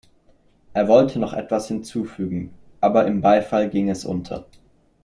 Er wollte noch etwas hinzufügen, aber im Beifall ging es unter.